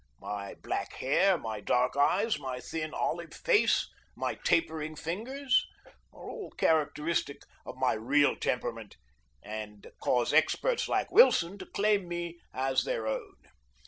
My black hair, my dark eyes, my thin, olive face, my tapering fingers, are all characteristic of my real temperament, and cause experts like Wilson to claim me as their own.